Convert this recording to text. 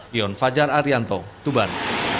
dion fajar arianto tuban